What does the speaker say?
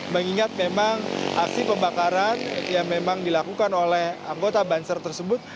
mengingat memang aksi pembakaran yang memang dilakukan oleh anggota banser tersebut